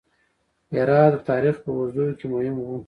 هرات د تاریخ په اوږدو کې مهم و